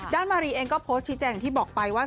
มารีเองก็โพสต์ชี้แจงอย่างที่บอกไปว่า